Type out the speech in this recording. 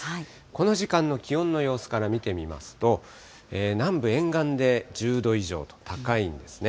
この時間の気温の様子から見てみますと、南部沿岸で１０度以上と高いんですね。